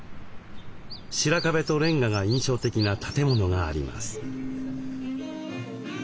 白壁とレンガが印象的な建物があります。